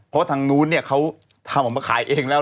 เพราะทางนู้นเนี่ยเขาทำออกมาขายเองแล้ว